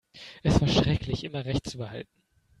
Es war schrecklich, immer Recht zu behalten.